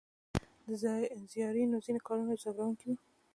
د زایرینو ځینې کارونه ځوروونکي وو.